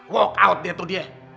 walk out dia tuh dia